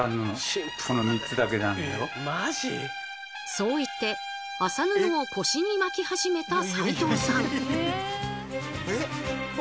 そう言って麻布を腰に巻き始めた齋藤さん。